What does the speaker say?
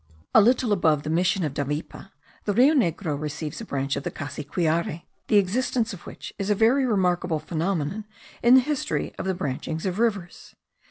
A little above the mission of Davipe, the Rio Negro receives a branch of the Cassiquiare, the existence of which is a very remarkable phenomenon in the history of the branchings of rivers.